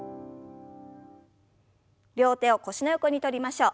両手を腰の横に取りましょう。